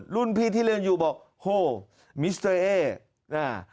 รุ่นพี่ที่เรียนอยู่บอกโหมิสเตอร์เอน่า